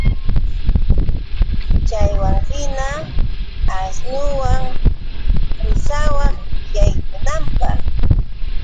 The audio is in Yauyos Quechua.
Chaywanhina asnuwan pushawaq yaykunanpaq